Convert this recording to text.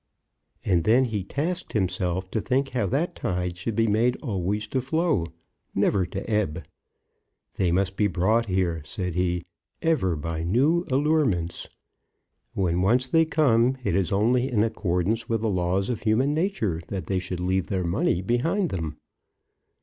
And then he tasked himself to think how that tide should be made always to flow, never to ebb. "They must be brought here," said he, "ever by new allurements. When once they come, it is only in accordance with the laws of human nature that they should leave their money behind them."